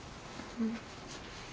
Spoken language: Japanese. うん。